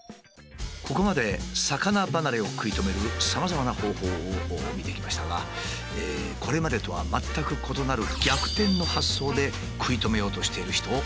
ここまで魚離れを食い止めるさまざまな方法を見てきましたがこれまでとは全く異なるを見つけちゃいました。